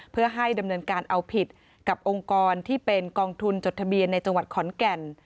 เพื่อให้ดำเนินการเอาผิดกับองค์กรที่เป็นกองทุนจดทะเบียนในจังหวัดขอนแก่น